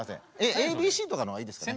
ＡＢＣとかの方がいいですかね？